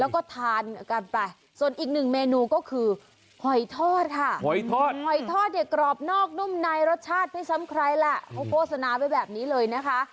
โฆษณาไปแบบนี้เลยนะคะ